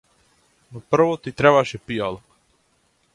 Но прво ти требаше пијалок.